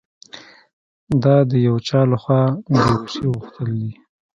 دا د یو چا لهخوا د یوه شي غوښتل دي